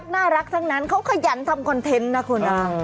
น่ารักทั้งนั้นเขาขยันทำคอนเทนต์นะคุณ